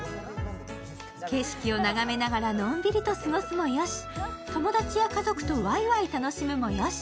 景色をながめながら、のんびりと過ごすもよし、友達や家族とわいわい楽しむもよし。